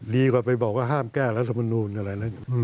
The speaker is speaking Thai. ดีกว่าไปบอกว่าห้ามแก้รัฐบนรูปอะไรแบบนี้